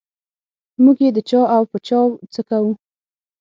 موږ یې د چا او په چا څه کوو.